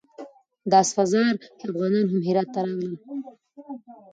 د اسفزار افغانان هم د هرات ښار ته راغلل.